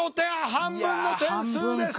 半分の点数です。